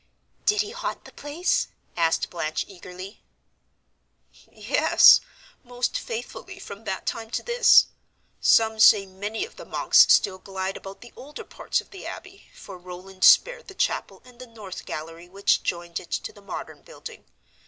"Did he haunt the place?" asked Blanche eagerly. "Yes, most faithfully from that time to this. Some say many of the monks still glide about the older parts of the abbey, for Roland spared the chapel and the north gallery which joined it to the modern building.